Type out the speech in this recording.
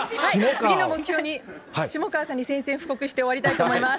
次の目標に、下川さんに宣戦布告して終わりたいと思います。